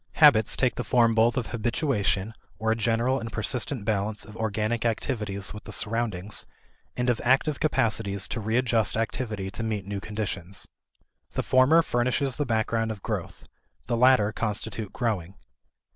Habits take the form both of habituation, or a general and persistent balance of organic activities with the surroundings, and of active capacities to readjust activity to meet new conditions. The former furnishes the background of growth; the latter constitute growing.